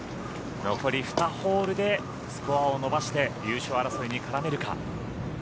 残り２ホールでスコアを伸ばして優勝争いに絡めるか。